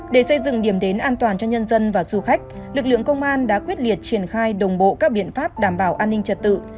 để xây dựng điểm đến an toàn cho nhân dân và du khách lực lượng công an đã quyết liệt triển khai đồng bộ các biện pháp đảm bảo an ninh trật tự